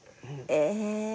え。